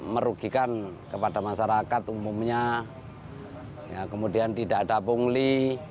merugikan kepada masyarakat umumnya kemudian tidak ada pungli